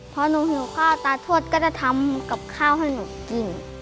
พอหนูหิวข้าวตาทวดก็จะทำกับข้าวให้หนูกิน